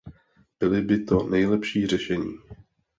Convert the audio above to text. Bylo by to nejlepší řešení.